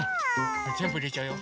じゃぜんぶいれちゃうよ。